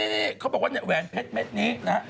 นี่เขาบอกว่าเนี่ยแหวนเพชรเม็ดนี้นะฮะ